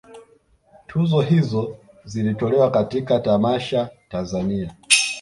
Tuzo hizo zilitolewa katika tamasha Tanzania